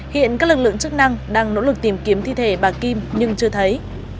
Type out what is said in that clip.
hiện các lực lượng chức năng đang nỗ lực tìm kiếm thi thể bà kim nhưng chưa thấy